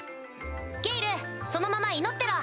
ゲイルそのまま祈ってろ。